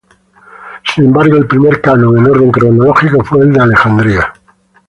Sin embargo el primer canon, en orden cronológico, fue el de Alejandría.